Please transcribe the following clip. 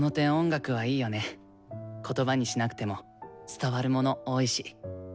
言葉にしなくても伝わるもの多いし。